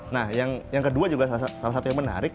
nah yang kedua juga salah satu yang menarik